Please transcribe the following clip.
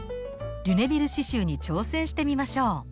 リュネビル刺しゅうに挑戦してみましょう！